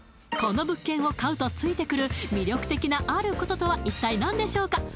この物件を買うと付いてくる魅力的なあることとは一体何でしょうか？